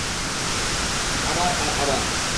আবার আর আবার।